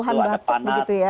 keluhan batuk begitu ya